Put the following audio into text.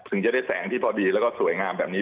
ถึงจะได้แสงที่พอดีแล้วก็สวยงามแบบนี้